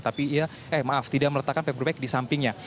tapi ya eh maaf tidak meletakkan paperback di sampingnya